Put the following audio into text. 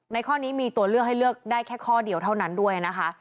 ข้อนี้มีตัวเลือกให้เลือกได้แค่ข้อเดียวเท่านั้นด้วยนะคะ